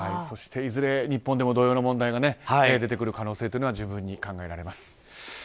そして、いずれ日本でも同様の問題が出てくる可能性は十分に考えられます。